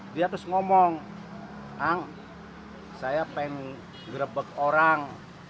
dia terus ngomong ang saya pengen grebek orang